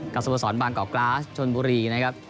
สโมสรบางกอกกราสชนบุรีนะครับ